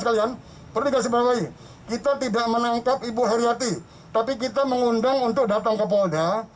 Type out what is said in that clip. sekalian pernikah sebagai kita tidak menangkap ibu heriati tapi kita mengundang untuk datang ke polda